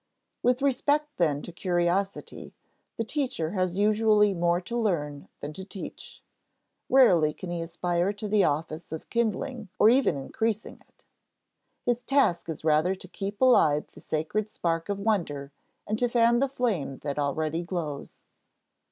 With respect then to curiosity, the teacher has usually more to learn than to teach. Rarely can he aspire to the office of kindling or even increasing it. His task is rather to keep alive the sacred spark of wonder and to fan the flame that already glows.